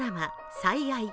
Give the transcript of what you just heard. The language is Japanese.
「最愛」。